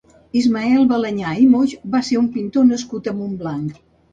Ismael Balanyà i Moix va ser un pintor nascut a Montblanc.